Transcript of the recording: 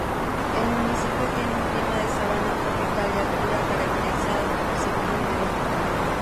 El municipio tiene un clima de sabana tropical de altura, caracterizado como semihúmedo.